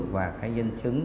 và cái nhân chứng